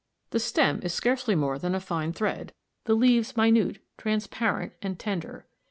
The stem is scarcely more than a fine thread, the leaves minute, transparent, and tender.